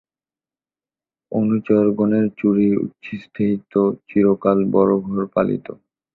অনুচরগণের চুরির উচ্ছিষ্টেই তো চিরকাল বড়োঘর পালিত।